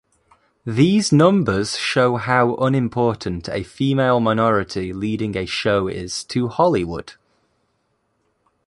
These numbers show how unimportant a female minority leading a show is to Hollywood.